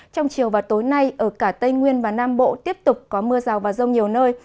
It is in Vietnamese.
trong chiều và tối nay ở cả tây nguyên và nam bộ tiếp tục có mưa rào và rông nhiều nơi